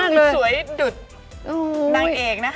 ฟังหนึกสวยดุจนางเอกนะคะ